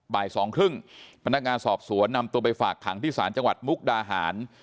บ่ายสองครึ่งพนักงานสอบสวนนำตัวไปฝากขังที่ศาลจังหวัดมุกดาหาร